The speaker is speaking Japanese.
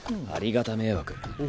ありがた迷惑。